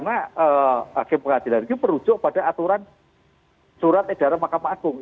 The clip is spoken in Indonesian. akim pengadilan negeri itu perucuk pada aturan surat edaran makam agung